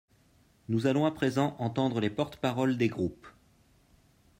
Nous allons à présent entendre les porte-parole des groupes.